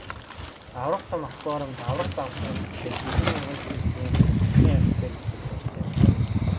Аварга том аквариумд аварга загаснаас эхлээд хэдэн мянган төрлийн усны амьтдыг нутагшуулжээ.